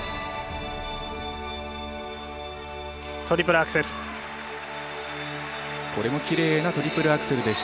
トリプルアクセル。